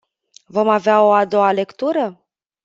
Vom avea o a doua lectură?